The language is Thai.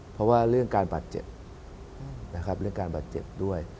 เพราะว่าเรื่องการบัดเจ็บด้วย